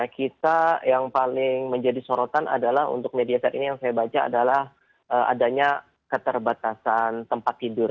kita yang paling menjadi sorotan adalah untuk media saat ini yang saya baca adalah adanya keterbatasan tempat tidur